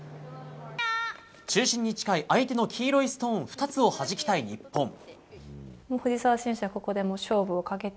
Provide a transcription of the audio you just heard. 中心に近い相手の黄色いストーン２つをはじきたい日本。